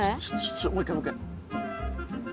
ちょもう一回もう一回。